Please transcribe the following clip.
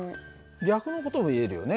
逆の事も言えるよね。